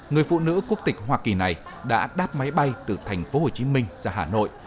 người phụ nữ quốc tịch hoa kỳ này đã đáp máy bay từ tp hcm ra hà nội